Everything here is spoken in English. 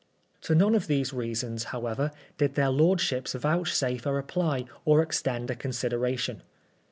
To none of these reasons, however, did their lord* ships vouchsafe a reply or extend a consideration.